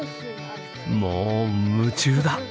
もう夢中だ。